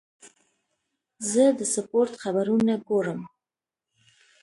زه د سپورت خبرونه ګورم.